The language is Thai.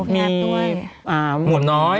มีหม่อมน้อย